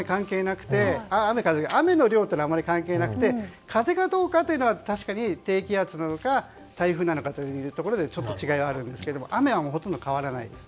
雨の量というのはあまり関係なくて風がどうかというのは確かに低気圧なのか台風なのかで違いはあるんですが雨はほとんど変わらないです。